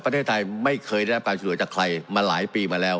ประเทศไทยไม่เคยได้รับการช่วยเหลือจากใครมาหลายปีมาแล้ว